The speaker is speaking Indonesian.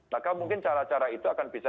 maka mungkin cara cara itu akan bisa